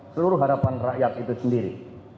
seluruh harapan rakyat itu sendiri